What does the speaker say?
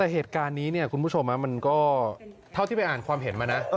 แต่เหตุการณ์นี้เนี่ยคุณผู้ชมมันก็เท่าที่ไปอ่านความเห็นมานะ